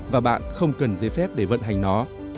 và bạn không cần giấy phép để vận hành nó